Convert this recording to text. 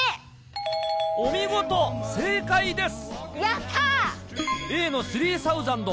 お見事正解です！